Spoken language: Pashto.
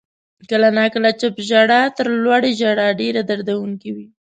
• کله ناکله چپ ژړا تر لوړې ژړا ډېره دردونکې وي.